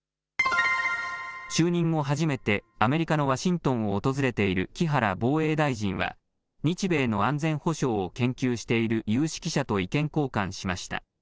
就任後初めてアメリカのワシントンを訪れている木原防衛大臣は日米の安全保障を研究している有識者と意見交換しました。